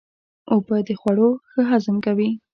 اوبه د خوړو ښه هضم کوي.